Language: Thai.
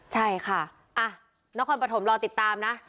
ใช่ค่ะนครปฐมรอติดตามนะ